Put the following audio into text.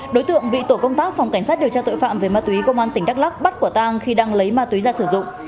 đối tượng bị tổ công tác phòng cảnh sát điều tra tội phạm về ma túy công an tỉnh đắk lắc bắt quả tang khi đang lấy ma túy ra sử dụng